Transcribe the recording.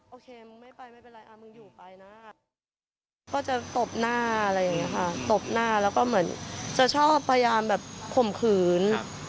โอเคมึงไม่ไปไม่เป็นไรมึงอยู่ไปนะก็จะตบหน้าอะไรอย่างนี้ค่ะตบหน้าแล้วก็เหมือนจะชอบพยายามแบบข่มขืน